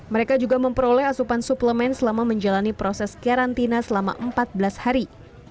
mereka juga memperoleh asupan suplemen selama menjalani proses karantina selama empat belas hari